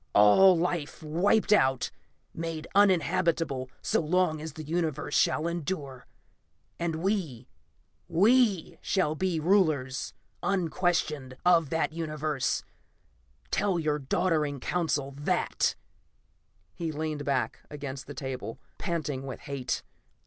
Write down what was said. All life wiped out; made uninhabitable so long as the Universe shall endure. And we we shall be rulers, unquestioned, of that Universe. Tell your doddering Council that!" He leaned back against the table, panting with hate.